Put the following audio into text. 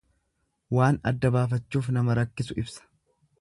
Waan adda baafachuuf nama rakkisu ibsa.